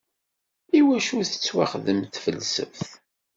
Iwacu i tettwaxdem tfelseft?